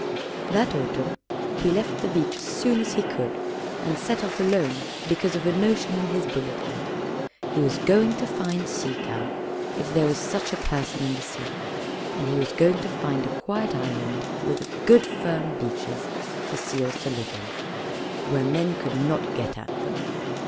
That autumn he left the beach as soon as he could, and set off alone because of a notion in his bullet head. He was going to find Sea Cow, if there was such a person in the sea, and he was going to find a quiet island with good firm beaches for seals to live on, where men could not get at them.